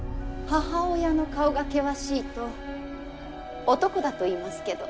母親の顔が険しいと男だといいますけど。